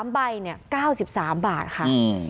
๓ใบ๙๓บาทค่ะ